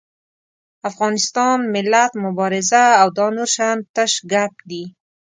افغانستان، ملت، مبارزه او دا نور شيان تش ګپ دي.